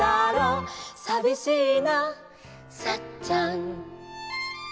「さびしいなサッちゃん」